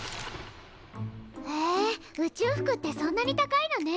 へえ宇宙服ってそんなに高いのね。